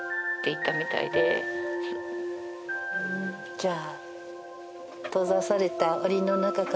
じゃあ。